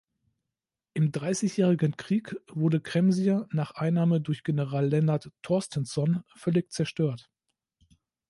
Im Dreißigjährigen Krieg wurde Kremsier nach Einnahme durch General Lennart Torstensson völlig zerstört.